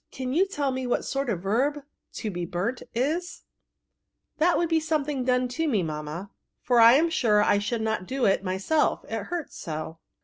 Can you tell me what sort of a verb * to be burnt ^ is ?*•'' That would be something done to me, mamma; for I am sure I should not do it myself, it hurts so.